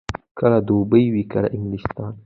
کله دوبۍ وي، کله انګلستان.